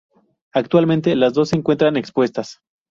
Actualmente, las dos se encuentran expuestas.